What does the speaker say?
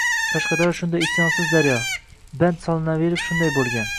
Qashqadaryo shunday isyonsiz daryo, band solinaverib shunday bo’lgan…